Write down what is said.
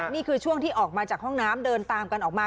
นี่คือช่วงที่ออกมาจากห้องน้ำเดินตามกันออกมา